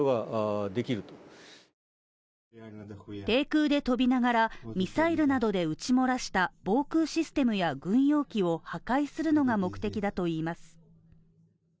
低空で飛びながらミサイルなどで撃ち漏らした防空システムや軍用機を破壊するのが目的だといいます。